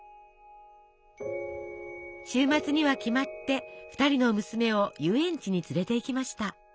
週末には決まって２人の娘を遊園地に連れていきました。